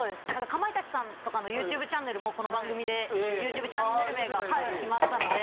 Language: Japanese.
かまいたちさんとかのＹｏｕＴｕｂｅチャンネルもこの番組でＹｏｕＴｕｂｅチャンネル名が決まったので。